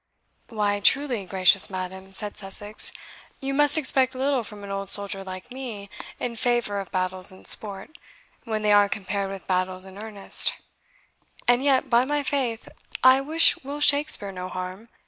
"Why, truly, gracious madam," said Sussex, "you must expect little from an old soldier like me in favour of battles in sport, when they are compared with battles in earnest; and yet, by my faith, I wish Will Shakespeare no harm.